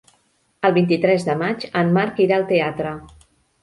El vint-i-tres de maig en Marc irà al teatre.